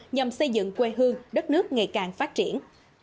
nhằm xây dựng quê hương đất nước ngày càng phát triển